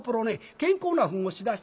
健康なフンをしだした。